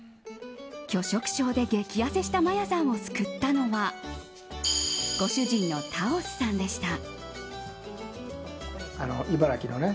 拒食症で激痩せしたマヤさんを救ったのはご主人のタオスさんでした。